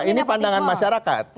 ini pandangan masyarakat